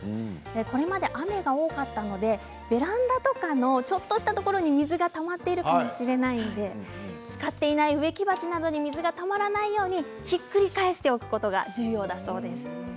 これまで雨が多かったのでベランダとかのちょっとしたところに水がたまっているかもしれないので使っていない植木鉢などに水がたまらないようにひっくり返しておくことが重要だそうです。